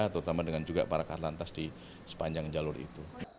terutama dengan juga para karlantas di sepanjang jalur itu